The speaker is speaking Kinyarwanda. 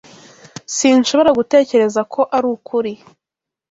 Sinshobora gutekereza ko arukuri.